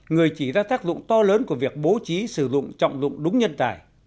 người chỉ ra tác dụng to lớn của việc bố trí sử dụng trọng dụng đúng nhân tài